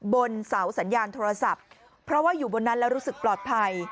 บนเสาสัญญาณโทรศัพท์เพราะว่าอยู่บนนั้นแล้วรู้สึกปลอดภัย